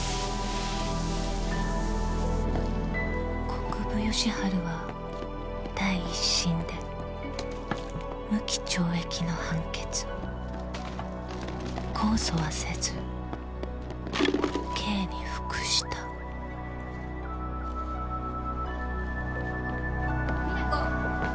国府吉春は第一審で無期懲役の判決控訴はせず刑に服した実那子！